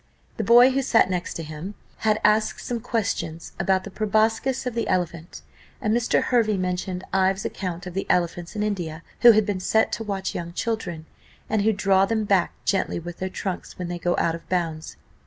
The boy, who sat next him, had asked some questions about the proboscis of the elephant, and Mr. Hervey mentioned Ives's account of the elephants in India, who have been set to watch young children, and who draw them back gently with their trunks, when they go out of bounds.